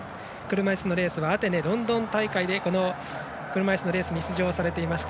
車いすのレースはアテネロンドン大会で車いすのレースに出場されていました